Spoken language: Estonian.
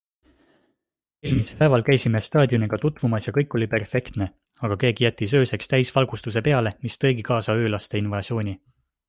Eelmise päeval käisime staadioniga tutvumas ja kõik oli perfektne, aga keegi jättis ööseks täisvalgustuse peale, mis tõigi kaasa öölaste invasiooni.